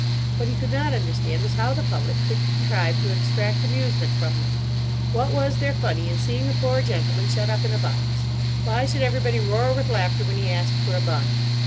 What he could not understand was how the public could contrive to extract amusement from them. What was there funny in seeing a poor gentleman shut up in a box? Why should everybody roar with laughter when he asked for a bun?